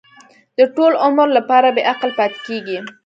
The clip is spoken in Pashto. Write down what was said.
د ټول عمر لپاره بې عقل پاتې کېږي.